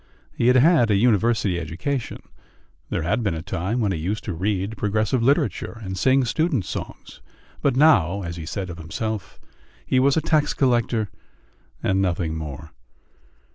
He had had a university education; there had been a time when he used to read progressive literature and sing students' songs, but now, as he said of himself, he was a tax collector and nothing more.